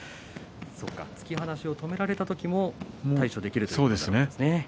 突き放しを止められた時対処できるということですね。